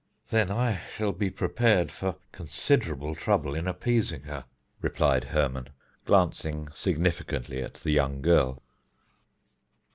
"Then I shall be prepared for considerable trouble in appeasing her," replied Hermon, glancing significantly at the young girl.